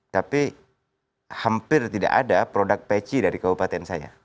tapi hampir tidak ada produk peci dari kabupaten saya